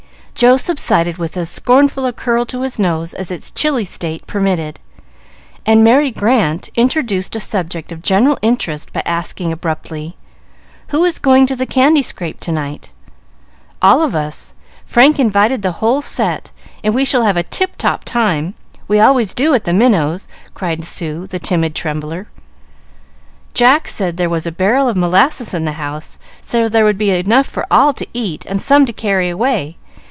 Joe subsided with as scornful a curl to his nose as its chilly state permitted, and Merry Grant introduced a subject of general interest by asking abruptly, "Who is going to the candy scrape to night?" "All of us. Frank invited the whole set, and we shall have a tip top time. We always do at the Minots'," cried Sue, the timid trembler. "Jack said there was a barrel of molasses in the house, so there would be enough for all to eat and some to carry away.